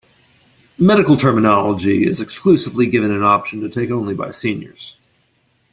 Medical Terminology is exclusively given an option to take only by seniors.